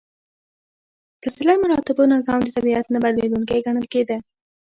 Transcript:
سلسله مراتبو نظام د طبیعت نه بدلیدونکی ګڼل کېده.